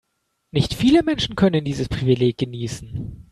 Nicht viele Menschen können dieses Privileg genießen.